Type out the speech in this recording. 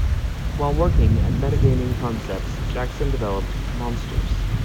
While working at Metagaming Concepts, Jackson developed Monsters!